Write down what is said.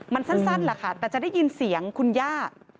มันสั้นแหละค่ะแต่จะได้ยินเสียงคุณย่า